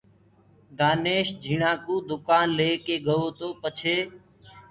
دآنيش جھيٚڻآ ڪو دُڪآن ليڪي گوو تو پڇي